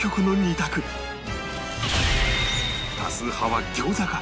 多数派は餃子か？